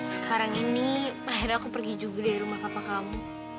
sekarang ini akhirnya aku pergi juga dari rumah kakak kamu